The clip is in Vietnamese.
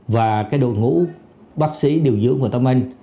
và cái đôi ngũ bác sĩ điều dưỡng của tâm anh